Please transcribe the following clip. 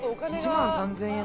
１万３０００円。